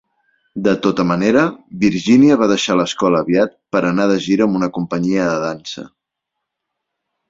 De tota manera, Virginia va deixar l'escola aviat per anar de gira amb una companyia de dansa.